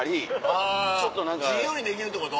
あ自由にできるってこと？